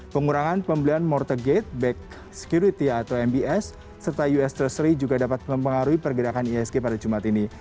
pengurangan pembelian mortegade back security atau mbs serta us treasury juga dapat mempengaruhi pergerakan ihsg pada jumat ini